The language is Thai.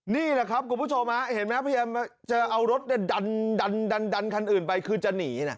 นี่แหละครับคุณผู้ชมเห็นไหมพยายามจะเอารถดันคันอื่นไปคือจะหนีนะ